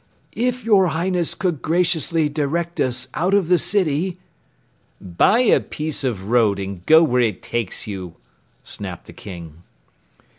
"If your Highness could graciously direct us out of the city " "Buy a piece of road and go where it takes you," snapped the King.